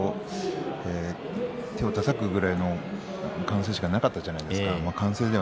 手をたたくぐらいの感じしかなかったじゃないですか。